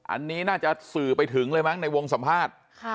อันนี้น่าจะสื่อไปถึงเลยมั้งในวงสัมภาษณ์